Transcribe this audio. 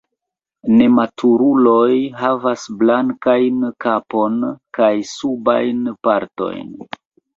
Nematuruloj havas blankajn kapon kaj subajn partojn.